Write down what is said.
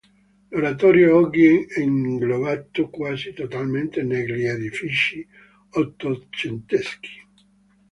L'oratorio è oggi inglobato quasi totalmente negli edifici ottocenteschi.